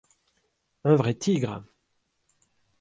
Un vrai tigre !